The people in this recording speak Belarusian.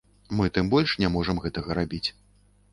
Мы тым больш не можам гэтага рабіць.